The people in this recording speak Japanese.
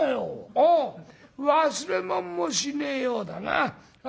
ああ忘れ物もしねえようだな。